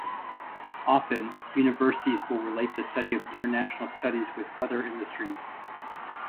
Often, universities will relate the study of International studies with other industries.